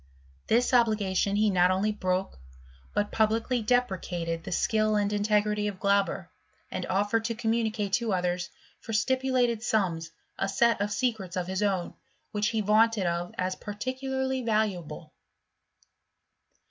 This obligation he not only broke, but publicly deprecated the skill and in tegrity of Glauber, and offered to communicate to others, for stipulated sums, a set of secrets of his own» which he vaunted of as particularly valuable.